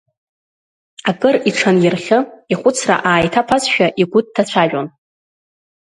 Акыр иҽанирхьы, ихәыцра ааиҭаԥазшәа, игәы дҭацәажәон.